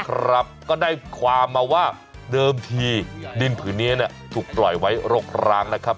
ก็ได้ความมาว่าเดิมทีดินผืนนี้ถูกปล่อยไว้รกร้างนะครับ